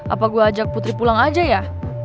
apa gue ajak putri pulang aja ya